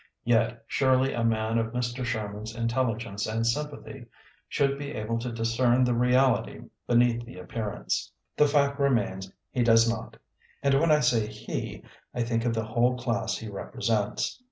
Yet surely a man of Mr. Sherman's in telligence and sympathy should be able to discern the reality beneath the ap pearance. The fact remains, he does not; and when I say he, I think of the whole class he represents.